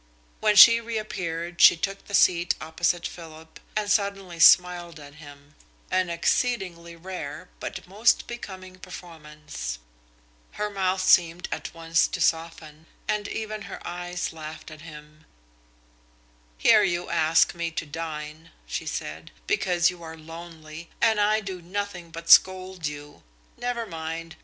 When she reappeared she took the seat opposite Philip and suddenly smiled at him, an exceedingly rare but most becoming performance. Her mouth seemed at once to soften, and even her eyes laughed at him. "Here you ask me to dine," she said, "because you are lonely, and I do nothing but scold you! Never mind.